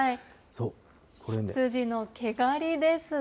そう、羊の毛刈りですね。